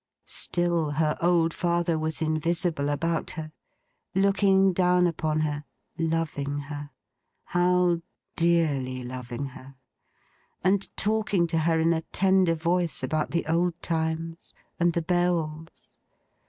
Still her old father was invisible about her; looking down upon her; loving her—how dearly loving her!—and talking to her in a tender voice about the old times, and the Bells.